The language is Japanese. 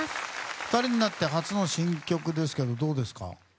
２人になって初の新曲ですけどどうですか？